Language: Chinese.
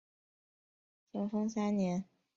咸丰三年助总督叶名琛雇觅火轮攻剿太平军。